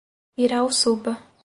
Irauçuba